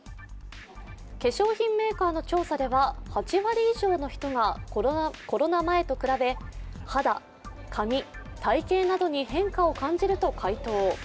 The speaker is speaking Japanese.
化粧品メーカーの調査では、８割以上の人がコロナ前と比べ、肌、髪、体形などに変化を感じると回答。